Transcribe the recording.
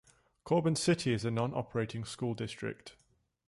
Corbin City is a non-operating school district.